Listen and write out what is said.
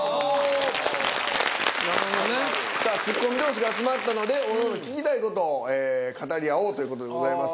さあツッコミ同士が集まったのでおのおの聞きたい事を語り合おうという事でございます。